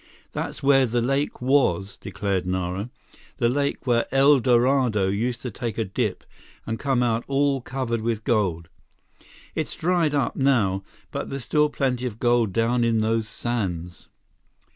"That's where the lake was," declared Nara. "The lake where El Dorado used to take a dip and come out all covered with gold. It's dried up, now, but there's still plenty of gold down in those sands."